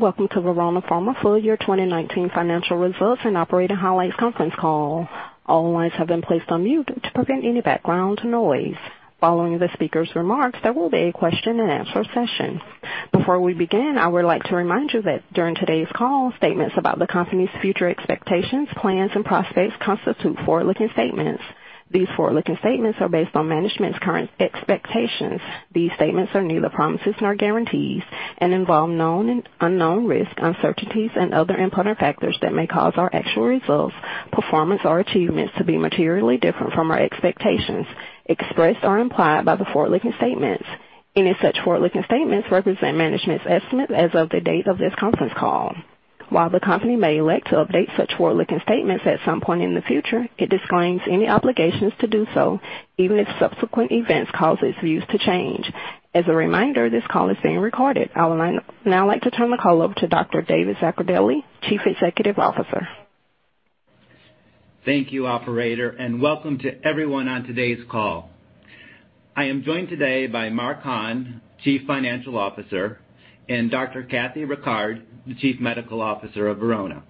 Welcome to Verona Pharma full year 2019 financial results and operating highlights conference call. All lines have been placed on mute to prevent any background noise. Following the speaker's remarks, there will be a question and answer session. Before we begin, I would like to remind you that during today's call, statements about the company's future expectations, plans, and prospects constitute forward-looking statements. These forward-looking statements are based on management's current expectations. These statements are neither promises nor guarantees and involve known and unknown risks, uncertainties, and other important factors that may cause our actual results, performance, or achievements to be materially different from our expectations expressed or implied by the forward-looking statements. Any such forward-looking statements represent management's estimate as of the date of this conference call. While the company may elect to update such forward-looking statements at some point in the future, it disclaims any obligations to do so, even if subsequent events cause its views to change. As a reminder, this call is being recorded. I would now like to turn the call over to Dr. David Zaccardelli, Chief Executive Officer. Thank you, operator, and welcome to everyone on today's call. I am joined today by Mark Hahn, Chief Financial Officer, and Dr. Kathleen Rickard, the Chief Medical Officer of Verona Pharma.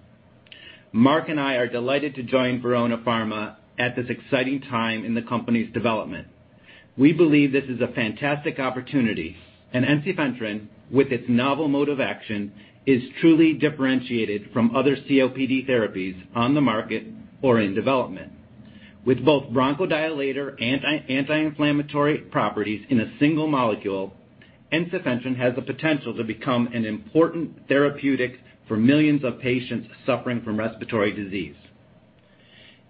Mark and I are delighted to join Verona Pharma at this exciting time in the company's development. We believe this is a fantastic opportunity, and ensifentrine, with its novel mode of action, is truly differentiated from other COPD therapies on the market or in development. With both bronchodilator anti-inflammatory properties in a single molecule, ensifentrine has the potential to become an important therapeutic for millions of patients suffering from respiratory disease.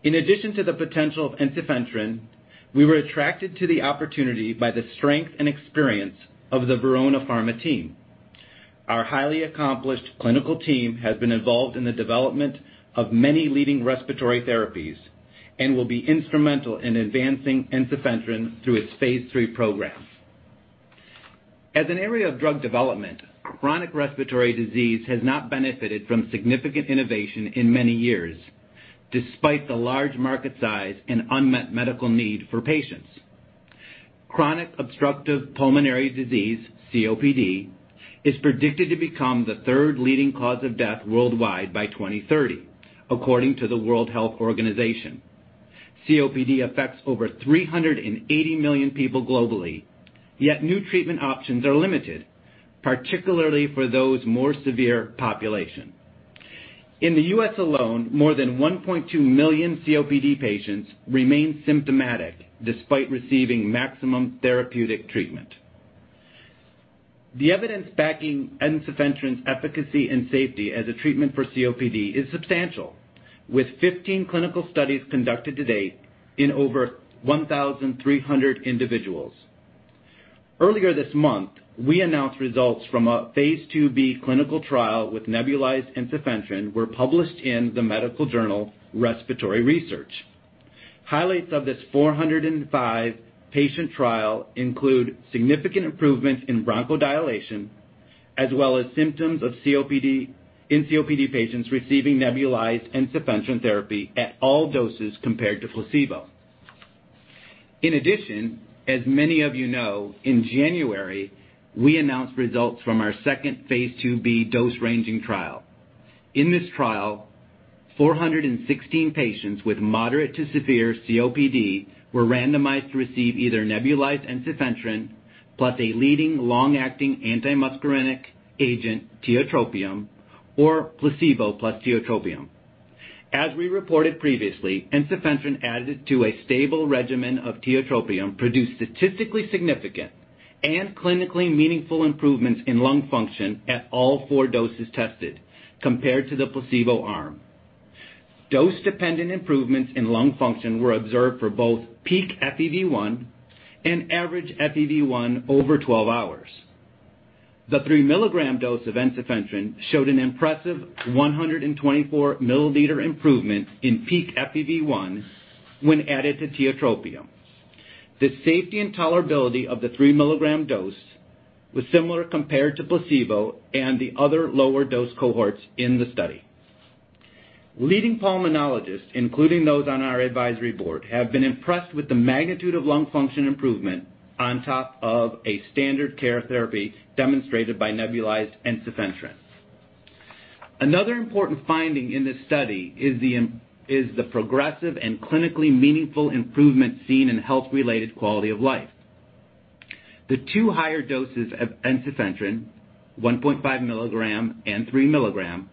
In addition to the potential of ensifentrine, we were attracted to the opportunity by the strength and experience of the Verona Pharma team. Our highly accomplished clinical team has been involved in the development of many leading respiratory therapies and will be instrumental in advancing ensifentrine through its phase III program. As an area of drug development, chronic respiratory disease has not benefited from significant innovation in many years, despite the large market size and unmet medical need for patients. Chronic obstructive pulmonary disease, COPD, is predicted to become the third leading cause of death worldwide by 2030, according to the World Health Organization. COPD affects over 380 million people globally, yet new treatment options are limited, particularly for those more severe population. In the U.S. alone, more than 1.2 million COPD patients remain symptomatic despite receiving maximum therapeutic treatment. The evidence backing ensifentrine's efficacy and safety as a treatment for COPD is substantial, with 15 clinical studies conducted to date in over 1,300 individuals. Earlier this month, we announced results from a phase IIb clinical trial with nebulized ensifentrine were published in the medical journal Respiratory Research. Highlights of this 405-patient trial include significant improvements in bronchodilation, as well as symptoms in COPD patients receiving nebulized ensifentrine therapy at all doses compared to placebo. In addition, as many of you know, in January, we announced results from our second phase IIb dose-ranging trial. In this trial, 416 patients with moderate to severe COPD were randomized to receive either nebulized ensifentrine plus a leading long-acting antimuscarinic agent, tiotropium, or placebo plus tiotropium. As we reported previously, ensifentrine added to a stable regimen of tiotropium produced statistically significant and clinically meaningful improvements in lung function at all four doses tested compared to the placebo arm. Dose-dependent improvements in lung function were observed for both peak FEV1 and average FEV1 over 12 hours. The 3 mg dose of ensifentrine showed an impressive 124 mL improvement in peak FEV1 when added to tiotropium. The safety and tolerability of the 3 mg dose was similar compared to placebo and the other lower dose cohorts in the study. Leading pulmonologists, including those on our advisory board, have been impressed with the magnitude of lung function improvement on top of a standard care therapy demonstrated by nebulized ensifentrine. Another important finding in this study is the progressive and clinically meaningful improvement seen in health-related quality of life. The two higher doses of ensifentrine, 1.5 mg and 3 mg,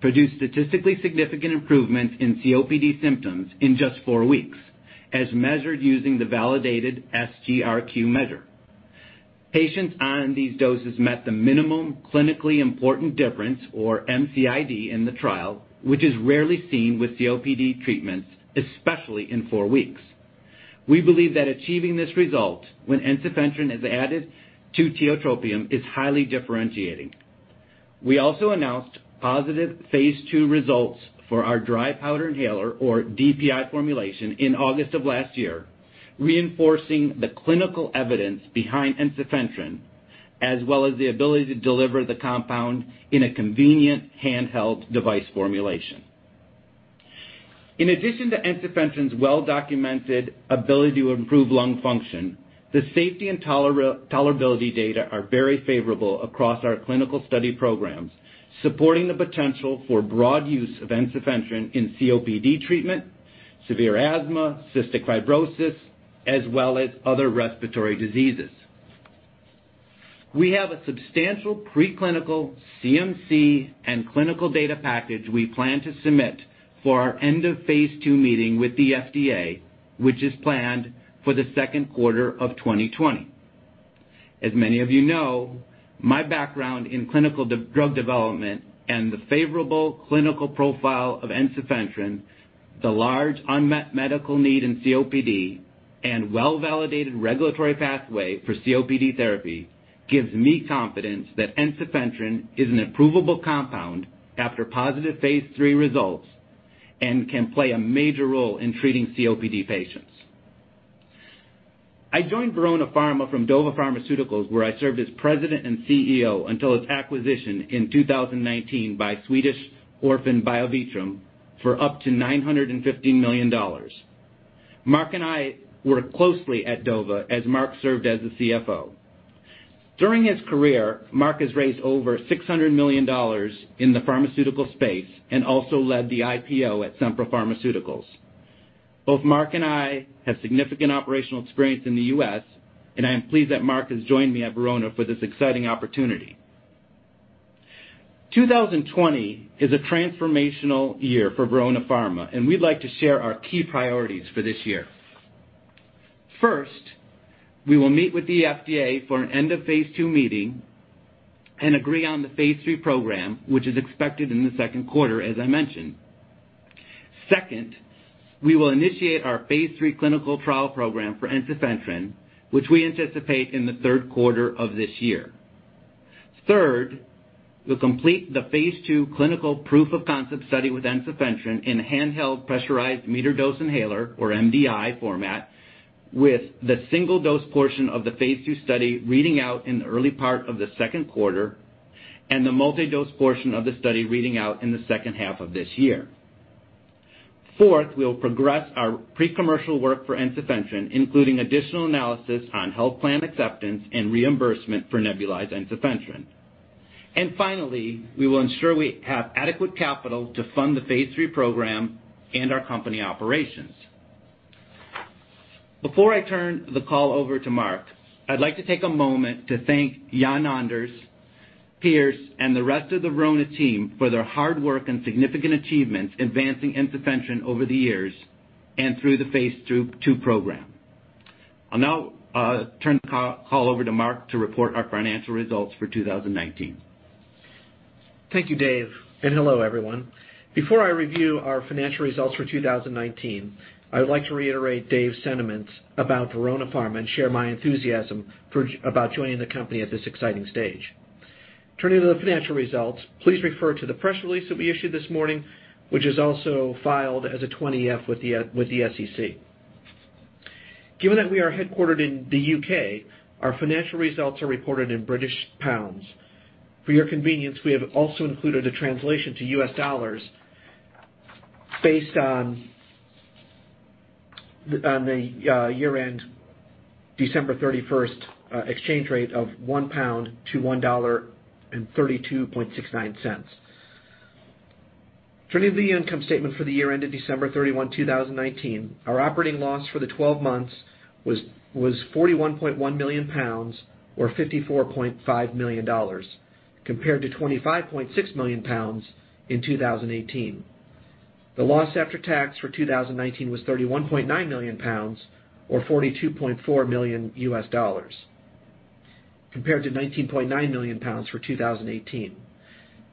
produced statistically significant improvements in COPD symptoms in just four weeks, as measured using the validated SGRQ measure. Patients on these doses met the minimum clinically important difference, or MCID, in the trial, which is rarely seen with COPD treatments, especially in four weeks. We believe that achieving this result when ensifentrine is added to tiotropium is highly differentiating. We also announced positive phase II results for our dry powder inhaler, or DPI formulation, in August of last year, reinforcing the clinical evidence behind ensifentrine, as well as the ability to deliver the compound in a convenient handheld device formulation. In addition to ensifentrine's well-documented ability to improve lung function, the safety and tolerability data are very favorable across our clinical study programs, supporting the potential for broad use of ensifentrine in COPD treatment, severe asthma, cystic fibrosis, as well as other respiratory diseases. We have a substantial preclinical CMC and clinical data package we plan to submit for our end of phase II meeting with the FDA, which is planned for the second quarter of 2020. As many of you know, my background in clinical drug development and the favorable clinical profile of ensifentrine, the large unmet medical need in COPD, and well-validated regulatory pathway for COPD therapy gives me confidence that ensifentrine is an approvable compound after positive phase III results and can play a major role in treating COPD patients. I joined Verona Pharma from Dova Pharmaceuticals, where I served as President and CEO until its acquisition in 2019 by Swedish Orphan Biovitrum for up to $950 million. Mark Hahn and I worked closely at Dova as Mark served as the CFO. During his career, Mark Hahn has raised over $600 million in the pharmaceutical space and also led the IPO at Cempra Pharmaceuticals. Both Mark Hahn and I have significant operational experience in the U.S., and I am pleased that Mark Hahn has joined me at Verona Pharma for this exciting opportunity. 2020 is a transformational year for Verona Pharma, and we'd like to share our key priorities for this year. First, we will meet with the FDA for an end of phase II meeting and agree on the phase III program, which is expected in the second quarter, as I mentioned. Second, we will initiate our phase III clinical trial program for ensifentrine, which we anticipate in the third quarter of this year. Third, we'll complete the phase II clinical proof of concept study with ensifentrine in a handheld pressurized metered-dose inhaler, or MDI, format with the single dose portion of the phase II study reading out in the early part of the second quarter and the multi-dose portion of the study reading out in the second half of this year. Fourth, we will progress our pre-commercial work for ensifentrine, including additional analysis on health plan acceptance and reimbursement for nebulized ensifentrine. Finally, we will ensure we have adequate capital to fund the phase III program and our company operations. Before I turn the call over to Mark Hahn, I would like to take a moment to thank Jan-Anders, Piers, and the rest of the Verona Pharma team for their hard work and significant achievements advancing ensifentrine over the years and through the phase II program. I will now turn the call over to Mark Hahn to report our financial results for 2019. Thank you, David Zaccardelli, and hello, everyone. Before I review our financial results for 2019, I would like to reiterate David Zaccardelli sentiments about Verona Pharma and share my enthusiasm about joining the company at this exciting stage. Turning to the financial results, please refer to the press release that we issued this morning, which is also filed as a 20-F with the SEC. Given that we are headquartered in the U.K., our financial results are reported in British pounds. For your convenience, we have also included a translation to U.S. dollars based on the year-end December 31st exchange rate of one pound to $1.3269. Turning to the income statement for the year ended December 31, 2019, our operating loss for the 12 months was 41.1 million pounds, or $54.5 million, compared to 25.6 million pounds in 2018. The loss after tax for 2019 was 31.9 million pounds, or $42.4 million compared to 19.9 million pounds for 2018.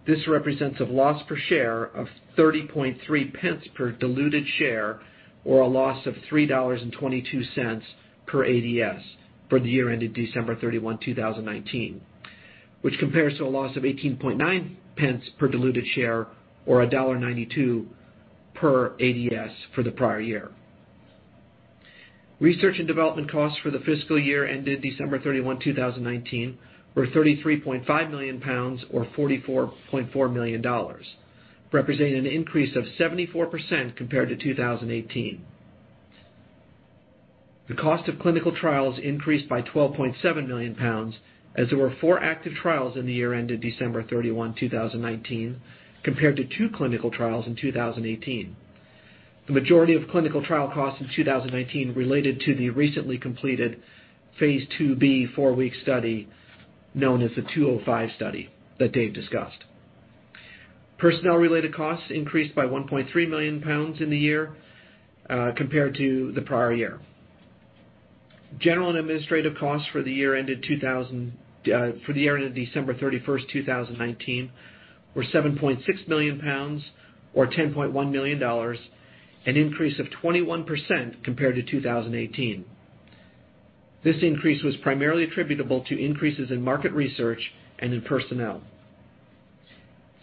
This represents a loss per share of 0.303 per diluted share, or a loss of $3.22 per ADS for the year ended December 31, 2019, which compares to a loss of 0.189 per diluted share, or $1.92 per ADS for the prior year. Research and development costs for the fiscal year ended December 31, 2019, were 33.5 million pounds, or $44.4 million, representing an increase of 74% compared to 2018. The cost of clinical trials increased by 12.7 million pounds as there were four active trials in the year ended December 31, 2019, compared to two clinical trials in 2018. The majority of clinical trial costs in 2019 related to the recently completed phase IIb four-week study, known as the 205 study that David Zaccardelli discussed. Personnel-related costs increased by 1.3 million pounds in the year, compared to the prior year. General and administrative costs for the year ended December 31st, 2019, were 7.6 million pounds, or $10.1 million, an increase of 21% compared to 2018. This increase was primarily attributable to increases in market research and in personnel.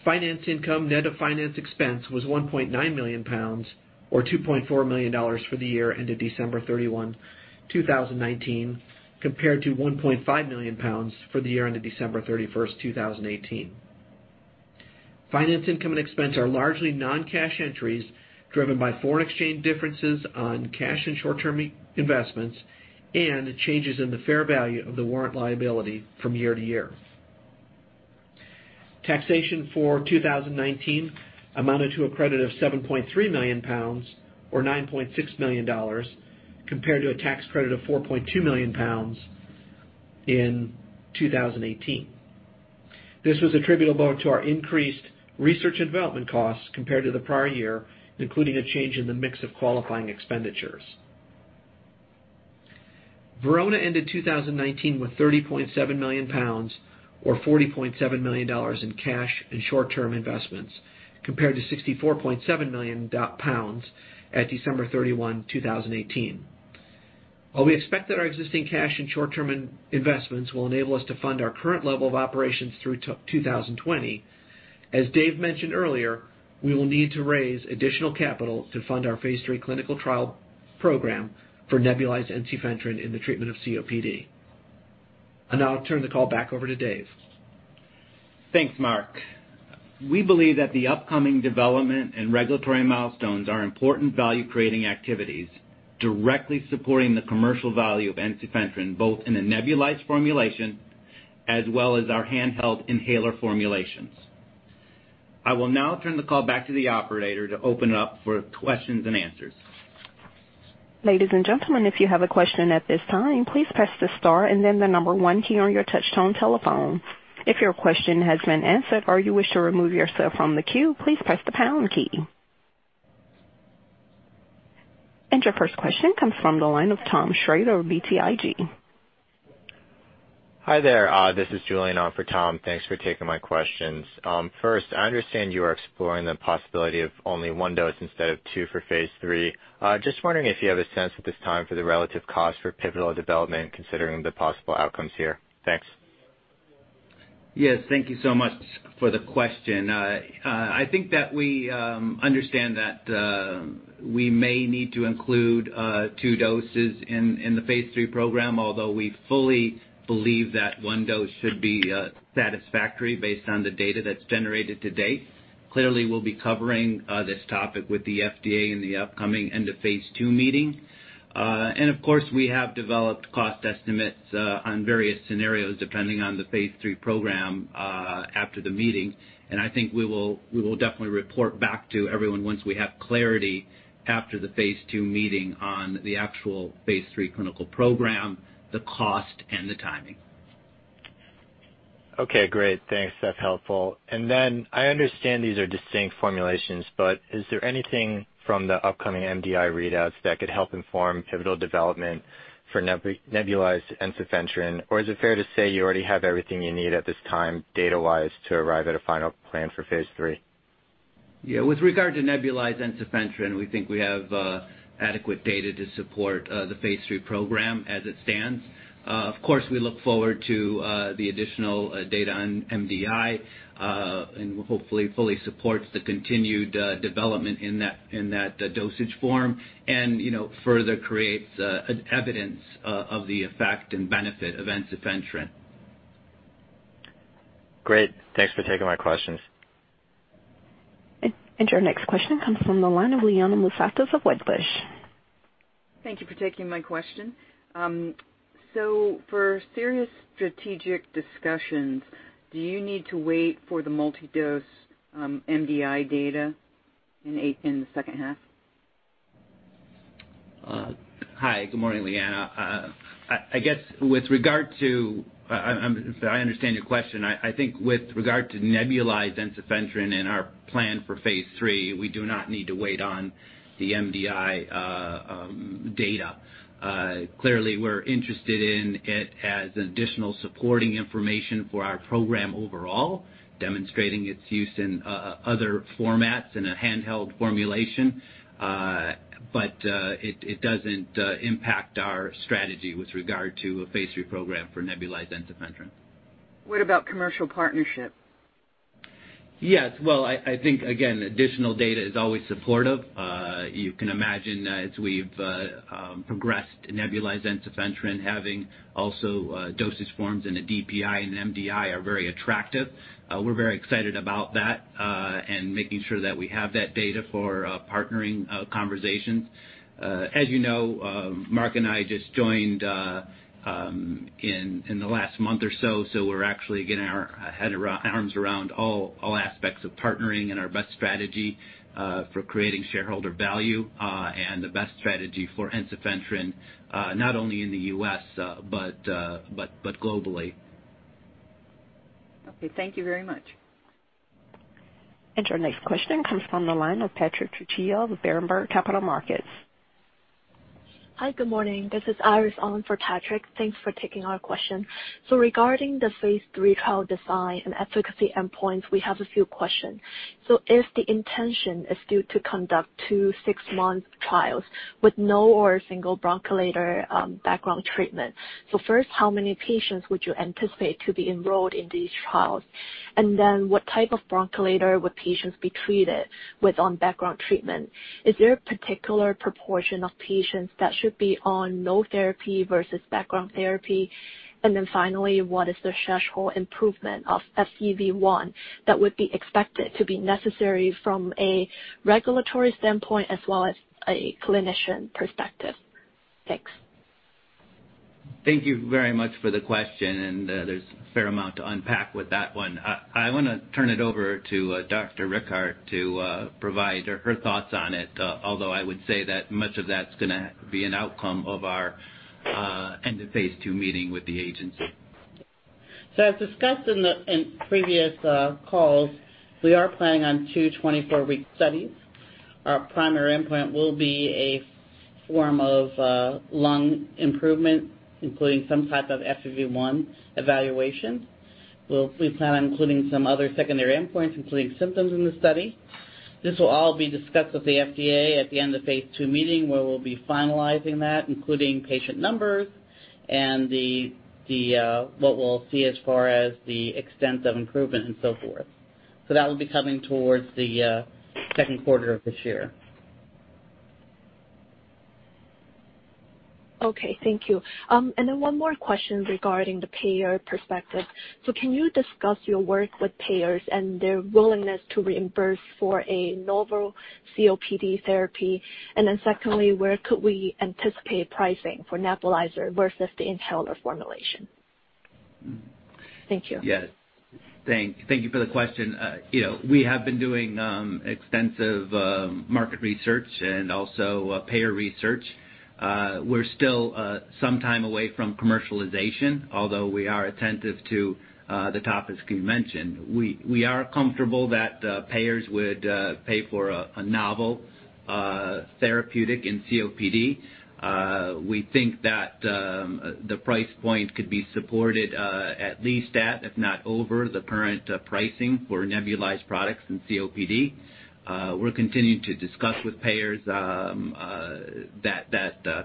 Finance income net of finance expense was 1.9 million pounds, or $2.4 million, for the year ended December 31, 2019, compared to 1.5 million pounds for the year ended December 31st, 2018. Finance income and expense are largely non-cash entries driven by foreign exchange differences on cash and short-term investments and changes in the fair value of the warrant liability from year to year. Taxation for 2019 amounted to a credit of 7.3 million pounds, or $9.6 million, compared to a tax credit of 4.2 million pounds in 2018. This was attributable to our increased research and development costs compared to the prior year, including a change in the mix of qualifying expenditures. Verona Pharma ended 2019 with 30.7 million pounds, or $40.7 million in cash and short-term investments, compared to 64.7 million pounds at December 31, 2018. While we expect that our existing cash and short-term investments will enable us to fund our current level of operations through 2020, as David Zaccardelli mentioned earlier, we will need to raise additional capital to fund our phase III clinical trial program for nebulized ensifentrine in the treatment of COPD. I'll now turn the call back over to David Zaccardelli. Thanks, Mark Hahn. We believe that the upcoming development and regulatory milestones are important value-creating activities, directly supporting the commercial value of ensifentrine, both in a nebulized formulation as well as our handheld inhaler formulations. I will now turn the call back to the operator to open up for questions and answers. Ladies and gentlemen, if you have a question at this time, please press the star and then the number one key on your touchtone telephone. If your question has been answered or you wish to remove yourself from the queue, please press the pound key. Your first question comes from the line of Thomas Shrager, BTIG. Hi there. This is Julian on for Thomas Shrager. Thanks for taking my questions. First, I understand you are exploring the possibility of only one dose instead of two for phase III. Just wondering if you have a sense at this time for the relative cost for pivotal development, considering the possible outcomes here. Thanks. Yes. Thank you so much for the question. I think that we understand that we may need to include two doses in the phase III program, although we fully believe that one dose should be satisfactory based on the data that's generated to date. Clearly, we'll be covering this topic with the FDA in the upcoming end-of-phase II meeting. Of course, we have developed cost estimates on various scenarios depending on the phase III program after the meeting. I think we will definitely report back to everyone once we have clarity after the phase II meeting on the actual phase III clinical program, the cost, and the timing. Okay, great. Thanks. That's helpful. I understand these are distinct formulations, but is there anything from the upcoming MDI readouts that could help inform pivotal development for nebulized ensifentrine? Is it fair to say you already have everything you need at this time data-wise to arrive at a final plan for phase III? With regard to nebulized ensifentrine, we think we have adequate data to support the phase III program as it stands. Of course, we look forward to the additional data on MDI, and will hopefully fully support the continued development in that dosage form and further create evidence of the effect and benefit of ensifentrine. Great. Thanks for taking my questions. Your next question comes from the line of Liana Moussatos of Wedbush. Thank you for taking my question. For serious strategic discussions, do you need to wait for the multi-dose MDI data in the second half? Hi. Good morning, Liana Moussatos. If I understand your question, I think with regard to nebulized ensifentrine and our plan for phase III, we do not need to wait on the MDI data. Clearly, we're interested in it as additional supporting information for our program overall, demonstrating its use in other formats in a handheld formulation. It doesn't impact our strategy with regard to a phase III program for nebulized ensifentrine. What about commercial partnership? Yes. Well, I think, again, additional data is always supportive. You can imagine as we've progressed nebulized ensifentrine having also dosage forms in a DPI and an MDI are very attractive. We're very excited about that and making sure that we have that data for partnering conversations. As you know, Mark Hahn and I just joined in the last month or so we're actually getting our arms around all aspects of partnering and our best strategy for creating shareholder value and the best strategy for ensifentrine, not only in the U.S. but globally. Okay, thank you very much. Our next question comes from the line of Patrick Trucchio of Berenberg Capital Markets. Hi, good morning. This is Iris Long on for Patrick Trucchio. Thanks for taking our question. Regarding the phase III trial design and efficacy endpoints, we have a few questions. If the intention is due to conduct two six-month trials with no or a single bronchodilator background treatment. First, how many patients would you anticipate to be enrolled in these trials? What type of bronchodilator would patients be treated with on background treatment? Is there a particular proportion of patients that should be on no therapy versus background therapy? Finally, what is the threshold improvement of FEV1 that would be expected to be necessary from a regulatory standpoint as well as a clinician perspective? Thanks. Thank you very much for the question. There's a fair amount to unpack with that one. I want to turn it over to Dr. Kathleen Rickard to provide her thoughts on it, although I would say that much of that's going to be an outcome of our end of phase II meeting with the agency. As discussed in previous calls, we are planning on two 24-week studies. Our primary endpoint will be a form of lung improvement, including some type of FEV1 evaluation. We plan on including some other secondary endpoints, including symptoms in the study. This will all be discussed with the FDA at the end of phase II meeting, where we'll be finalizing that, including patient numbers and what we'll see as far as the extent of improvement and so forth. That will be coming towards the second quarter of this year. Okay, thank you. One more question regarding the payer perspective. Can you discuss your work with payers and their willingness to reimburse for a novel COPD therapy? Secondly, where could we anticipate pricing for nebulizer versus the inhaler formulation? Thank you. Yes. Thank you for the question. We have been doing extensive market research and also payer research. We're still some time away from commercialization, although we are attentive to the topics you mentioned. We are comfortable that payers would pay for a novel therapeutic in COPD. We think that the price point could be supported, at least at, if not over, the current pricing for nebulized products in COPD. We're continuing to discuss with payers that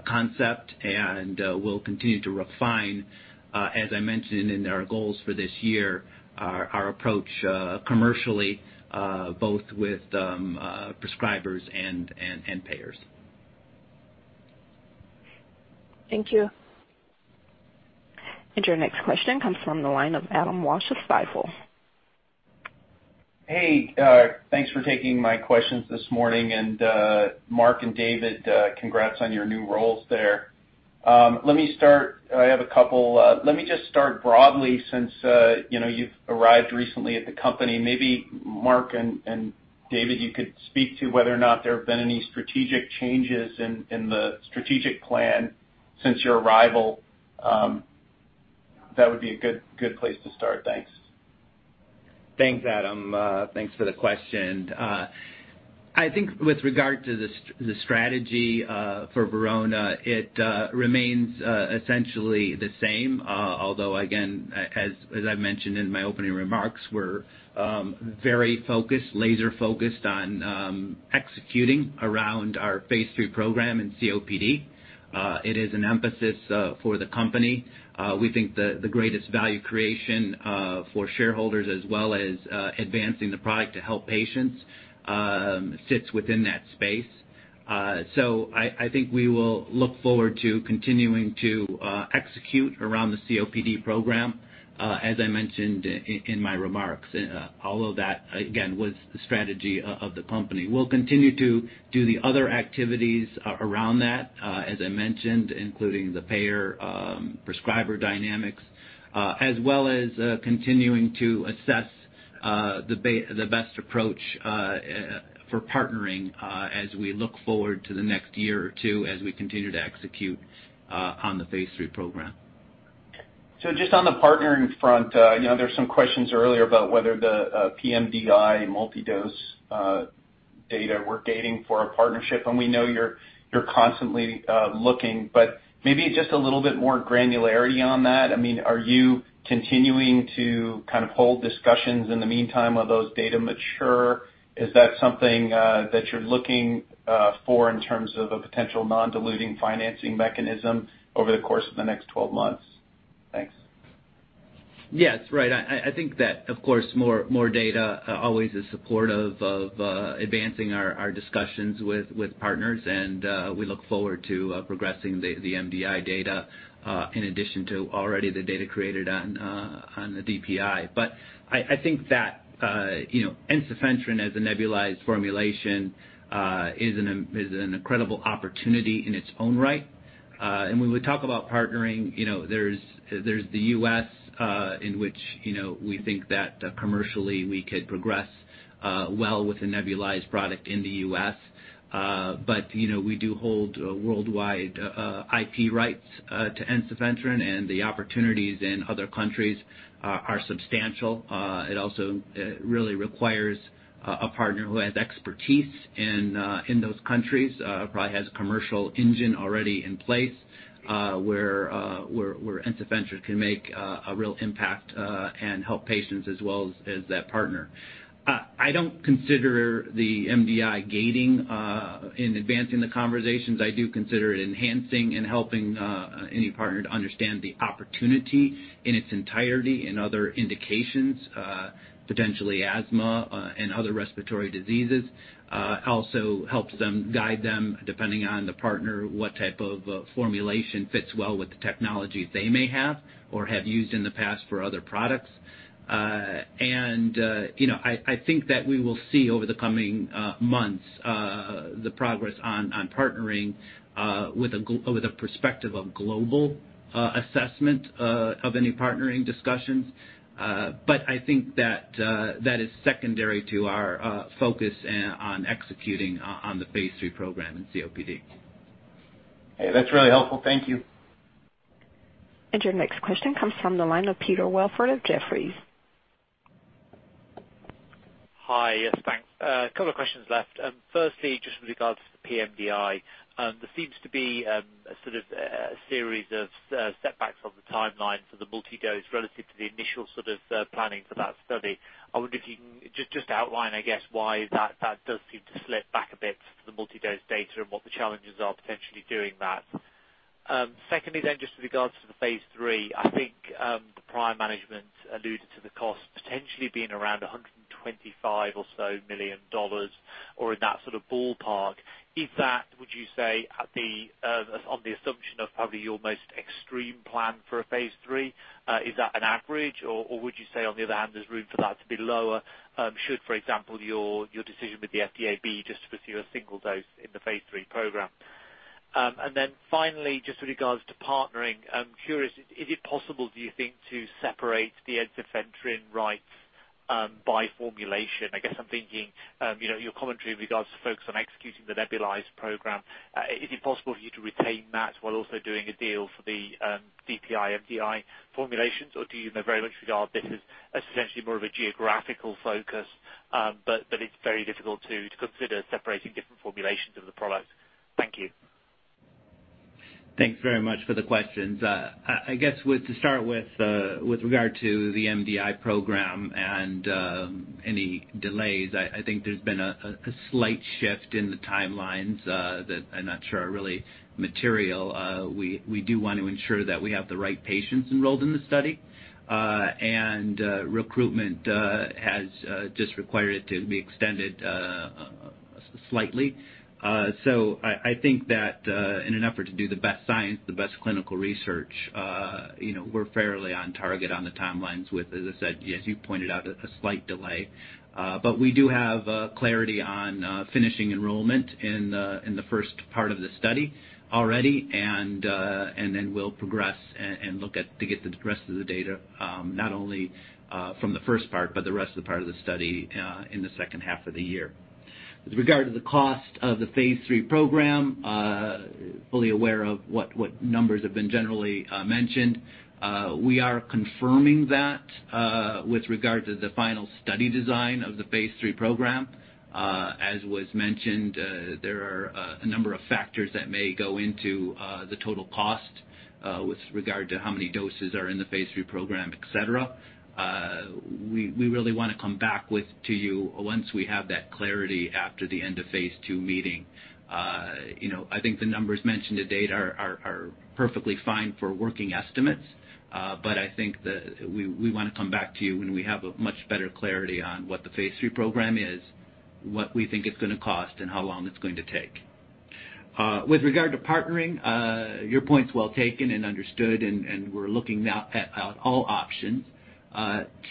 concept, and we'll continue to refine, as I mentioned in our goals for this year, our approach commercially both with prescribers and payers. Thank you. Your next question comes from the line of Adam Walsh of Stifel. Hey, thanks for taking my questions this morning, and Mark Hahn and David Zaccardelli, congrats on your new roles there. Let me start. I have a couple. Let me just start broadly since you've arrived recently at the company. Maybe Mark Hahn and David Zaccardelli, you could speak to whether or not there have been any strategic changes in the strategic plan since your arrival. That would be a good place to start. Thanks. Thanks, Adam Walsh. Thanks for the question. I think with regard to the strategy for Verona Pharma, it remains essentially the same. Although again, as I mentioned in my opening remarks, we're very focused, laser focused on executing around our phase III program in COPD. It is an emphasis for the company. We think the greatest value creation for shareholders, as well as advancing the product to help patients, sits within that space. I think we will look forward to continuing to execute around the COPD program, as I mentioned in my remarks, although that, again, was the strategy of the company. We'll continue to do the other activities around that, as I mentioned, including the payer prescriber dynamics, as well as continuing to assess the best approach for partnering as we look forward to the next year or two as we continue to execute on the phase III program. Just on the partnering front, there were some questions earlier about whether the pMDI multi-dose data were gating for a partnership, and we know you're constantly looking, but maybe just a little bit more granularity on that. Are you continuing to kind of hold discussions in the meantime while those data mature? Is that something that you're looking for in terms of a potential non-diluting financing mechanism over the course of the next 12 months? Thanks. Yes, right. I think that, of course, more data always is supportive of advancing our discussions with partners, and we look forward to progressing the MDI data in addition to already the data created on the DPI. I think that ensifentrine as a nebulized formulation is an incredible opportunity in its own right. When we talk about partnering, there's the U.S., in which we think that commercially we could progress well with a nebulized product in the U.S. We do hold worldwide IP rights to ensifentrine, and the opportunities in other countries are substantial. It also really requires a partner who has expertise in those countries, probably has a commercial engine already in place, where ensifentrine can make a real impact and help patients as well as that partner. I don't consider the MDI gating in advancing the conversations. I do consider it enhancing and helping any partner to understand the opportunity in its entirety and other indications, potentially asthma and other respiratory diseases. Also helps guide them, depending on the partner, what type of formulation fits well with the technology they may have or have used in the past for other products. I think that we will see over the coming months the progress on partnering with a perspective of global assessment of any partnering discussions. I think that is secondary to our focus on executing on the phase III program in COPD. Hey, that's really helpful. Thank you. Your next question comes from the line of Peter Welford of Jefferies. Hi. Yes, thanks. A couple of questions left. Firstly, just with regards to the pMDI, there seems to be a series of setbacks on the timeline for the multi-dose relative to the initial planning for that study. I wonder if you can just outline, I guess, why that does seem to slip back a bit for the multi-dose data and what the challenges are potentially doing that. Secondly, just with regards to the phase III, I think the prior management alluded to the cost potentially being around 125 or so million, or in that sort of ballpark. Is that, would you say, on the assumption of probably your most extreme plan for a phase III? Is that an average, or would you say, on the other hand, there's room for that to be lower? Should, for example, your decision with the FDA be just to pursue a single dose in the phase III program. Finally, just with regards to partnering, I'm curious, is it possible, do you think, to separate the ensifentrine rights by formulation? I guess I'm thinking your commentary with regards to the focus on executing the nebulized program. Is it possible for you to retain that while also doing a deal for the DPI/MDI formulations? Do you in a very much regard this as essentially more of a geographical focus, but that it's very difficult to consider separating different formulations of the product? Thank you. Thanks very much for the questions. I guess to start with regard to the MDI program and any delays, I think there's been a slight shift in the timelines, that I'm not sure are really material. We do want to ensure that we have the right patients enrolled in the study. Recruitment has just required it to be extended slightly. I think that in an effort to do the best science, the best clinical research, we're fairly on target on the timelines with, as I said, as you pointed out, a slight delay. We do have clarity on finishing enrollment in the first part of the study already. We'll progress and look to get the rest of the data, not only from the first part, but the rest of the part of the study in the second half of the year. With regard to the cost of the phase III program, fully aware of what numbers have been generally mentioned. We are confirming that with regard to the final study design of the phase III program. As was mentioned, there are a number of factors that may go into the total cost with regard to how many doses are in the phase III program, et cetera. We really want to come back to you once we have that clarity after the end of phase II meeting. I think the numbers mentioned to date are perfectly fine for working estimates. I think that we want to come back to you when we have a much better clarity on what the phase III program is, what we think it's going to cost, and how long it's going to take. With regard to partnering, your point's well taken and understood, and we're looking now at all options.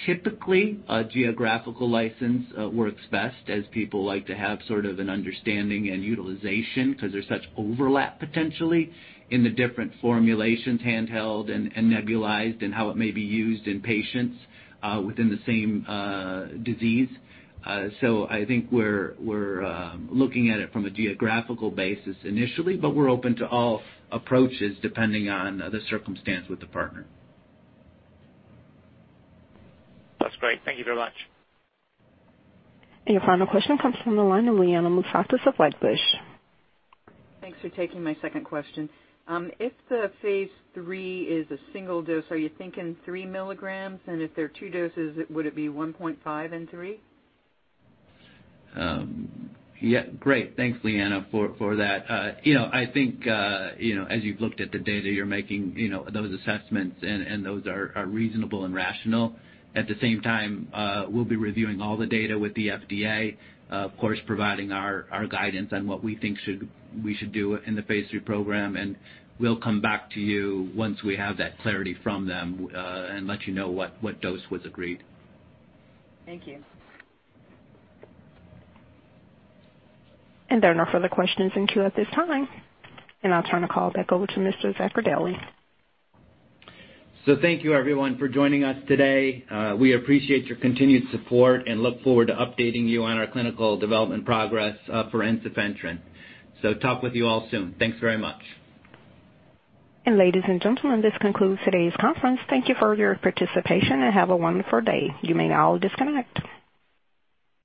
Typically, a geographical license works best, as people like to have sort of an understanding and utilization, because there's such overlap potentially in the different formulations, handheld and nebulized, and how it may be used in patients within the same disease. I think we're looking at it from a geographical basis initially, but we're open to all approaches depending on the circumstance with the partner. That's great. Thank you very much. Your final question comes from the line of Liana Moussatos of Wedbush. Thanks for taking my second question. If the phase III is a single dose, are you thinking 3 mg? If they're two doses, would it be 1.5 mg and 3 mg? Yeah. Great. Thanks, Liana Moussatos, for that. I think, as you've looked at the data, you're making those assessments, and those are reasonable and rational. At the same time, we'll be reviewing all the data with the FDA, of course, providing our guidance on what we think we should do in the phase III program. We'll come back to you once we have that clarity from them, and let you know what dose was agreed. Thank you. There are no further questions in queue at this time. I'll turn the call back over to Mr. David Zaccardelli. Thank you everyone for joining us today. We appreciate your continued support and look forward to updating you on our clinical development progress for ensifentrine. Talk with you all soon. Thanks very much. Ladies and gentlemen, this concludes today's conference. Thank you for your participation, and have a wonderful day. You may now disconnect.